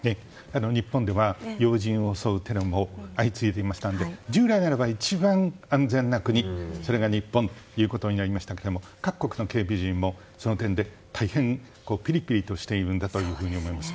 日本では要人を襲うテロも相次いでいましたので従来ならば一番安全な国それが日本となりましたが各国の警備陣もその点で大変ピリピリとしているんだと思います。